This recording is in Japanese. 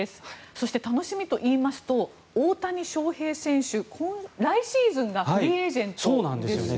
そして、楽しみといいますと大谷翔平選手来シーズンがフリーエージェントですよね。